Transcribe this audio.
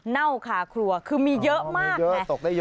เน่าคาครัวคือมีเยอะมาก